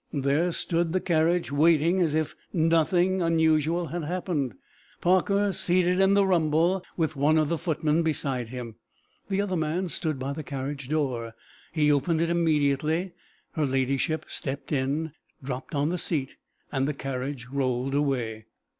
There stood the carriage, waiting, as if nothing unusual had happened, Parker seated in the rumble, with one of the footmen beside him. The other man stood by the carriage door. He opened it immediately; her ladyship stepped in, and dropped on the seat; the carriage rolled away.